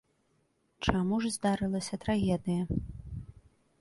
Чаму ж здарылася трагедыя?